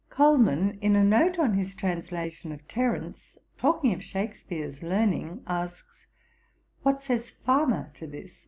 'Colman, in a note on his translation of Terence, talking of Shakspeare's learning, asks, "What says Farmer to this?